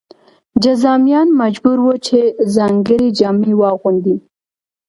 جذامیان مجبور وو چې ځانګړې جامې واغوندي.